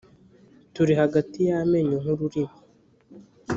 Turi hagati y'amenyo nk'ururimi